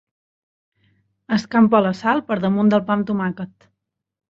Escampa la sal per damunt del pa amb tomàquet.